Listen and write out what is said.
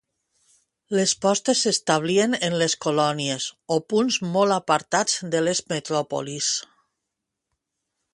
Les postes s'establien en les colònies o punts molt apartats de les metròpolis.